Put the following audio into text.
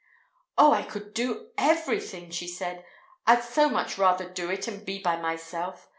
"Oh, I could do everything," she said. "I'd so much rather do it and be by myself.